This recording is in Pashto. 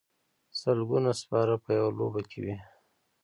سلګونه سپاره په یوه لوبه کې وي.